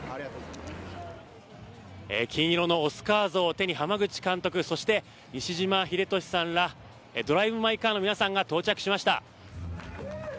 金色のオスカー像を手に濱口監督そして、西島秀俊さんら「ドライブ・マイ・カー」の皆さんが到着しました。